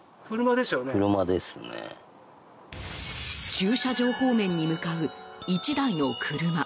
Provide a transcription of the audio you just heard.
駐車場方面に向かう１台の車。